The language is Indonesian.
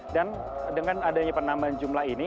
dan dengan adanya penambahan jumlah ini